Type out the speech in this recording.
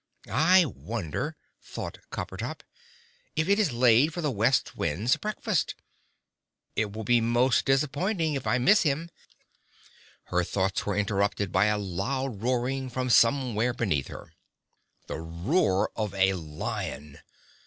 "I wonder," thought Coppertop, "if it is laid for the West Wind's breakfast? It will be most disappointing if I miss him!" Her thoughts were interrupted by a loud roaring from somewhere beneath her. The roar of a lion!